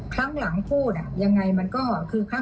ครั้งหลังพูดยังไงมันก็คือครั้ง